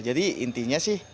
jadi intinya sih